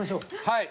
はい。